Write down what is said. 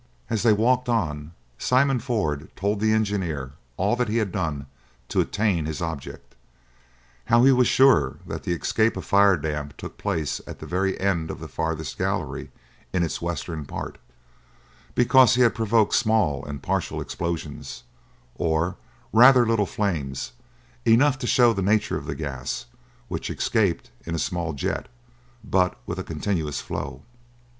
As they walked on, Simon Ford told the engineer all that he had done to attain his object; how he was sure that the escape of fire damp took place at the very end of the farthest gallery in its western part, because he had provoked small and partial explosions, or rather little flames, enough to show the nature of the gas, which escaped in a small jet, but with a continuous flow.